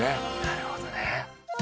なるほどね。